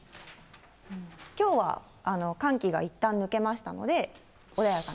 きょうは寒気がいったん抜けましたので、穏やかな。